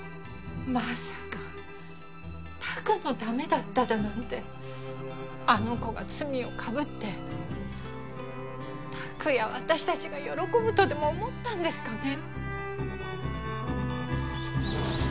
まさか拓のためだっただなんてあの子が罪をかぶって拓や私達が喜ぶとでも思ったんですかね